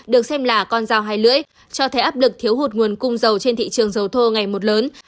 được xem là con dao hai lưỡi cho thấy áp lực thiếu hụt nguồn cung dầu trên thị trường dầu thô ngày một lớn